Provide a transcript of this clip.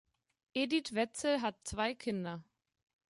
Edit Wetzel hat zwei Kinder.